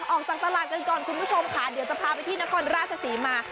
ออกจากตลาดกันก่อนคุณผู้ชมค่ะเดี๋ยวจะพาไปที่นครราชศรีมา